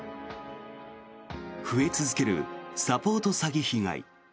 増え続けるサポート詐欺被害。